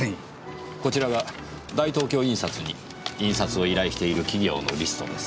こちらが大東京印刷に印刷を依頼している企業のリストです。